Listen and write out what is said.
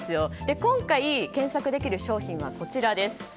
今回、検索できる商品はこちらです。